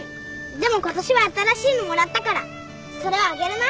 でも今年は新しいのもらったからそれはあげるな。